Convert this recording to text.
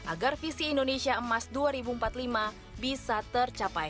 agar visi indonesia emas dua ribu empat puluh lima bisa tercapai